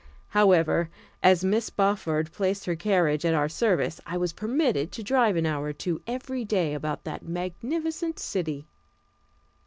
However, as Mrs. Spofford placed her carriage at our service, I was permitted to drive an hour or two every day about that magnificent city.